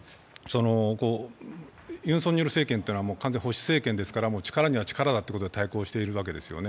ユン・ソンニョル政権は完全に保守政権ですから、力には力だということで対抗しているわけですよね。